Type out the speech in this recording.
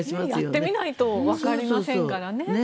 やってみないとわかりませんからね。